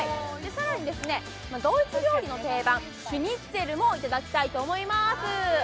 更にドイツ料理の定番、シュニッツェルも頂きたいと思います。